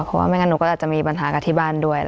เพราะว่าไม่งั้นหนูก็อาจจะมีปัญหากับที่บ้านด้วย